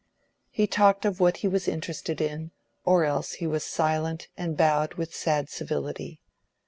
He talked of what he was interested in, or else he was silent and bowed with sad civility.